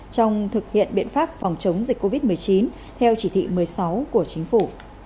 trong thực hiện biện pháp phòng chống dịch covid một mươi chín theo chỉ thị một mươi sáu của chính phủ